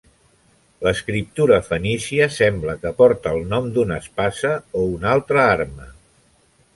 L'escriptura fenícia sembla que porta el nom d'una espasa o una altra arma.